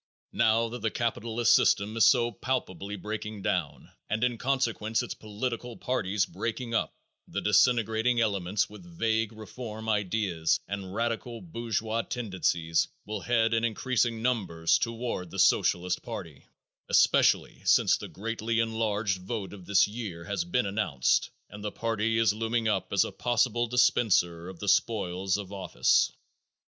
Now that the capitalist system is so palpably breaking down, and in consequence its political parties breaking up, the disintegrating elements with vague reform ideas and radical bourgeois tendencies will head in increasing numbers toward the Socialist party, especially since the greatly enlarged vote of this year has been announced and the party is looming up as a possible dispenser of the spoils of office.